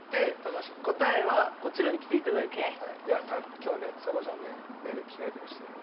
今日ねちさ子ちゃんね目がキラキラしてるね。